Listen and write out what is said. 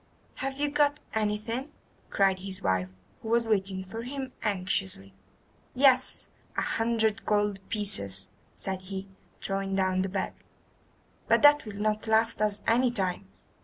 "Have you got anything?" cried his wife, who was waiting for him anxiously. "Yes, a hundred gold pieces," said he, throwing down the bag, "but that will not last us any time.